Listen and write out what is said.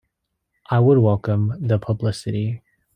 I would welcome the publicity.